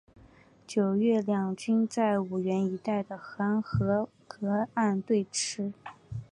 九月两军在五原一带的黄河隔岸对峙。